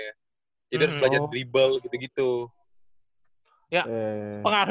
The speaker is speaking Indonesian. jadi harus belajar dribble gitu gitu